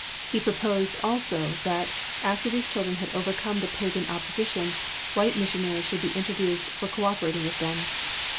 He proposed, also, that, after these children had overcome the pagan opposition, white missionaries should be introduced for co operating with them.